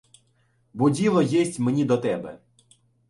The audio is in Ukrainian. Бо діло єсть мені до тебе.